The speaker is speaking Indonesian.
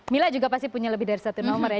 mila juga pasti punya lebih dari satu nomor ya